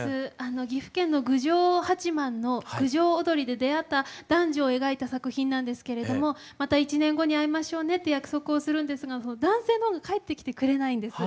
岐阜県の郡上八幡の郡上おどりで出会った男女を描いた作品なんですけれどもまた１年後に会いましょうねって約束をするんですが男性のほうが帰ってきてくれないんです。